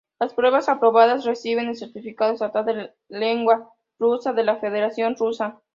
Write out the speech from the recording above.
Las pruebas aprobadas reciben el certificado estatal de lengua rusa de la Federación Rusa.